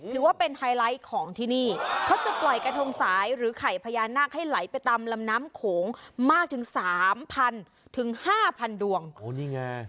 ถือว่าเป็นไฮไลท์ของที่นี่เขาจะปล่อยกระทงสายหรือไข่พญานาคให้ไหลไปตามลำน้ำโขงมากถึงสามพันถึงห้าพันดวงโอ้นี่ไง